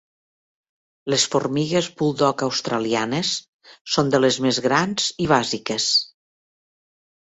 Les formigues buldog australianes són de les més grans i bàsiques.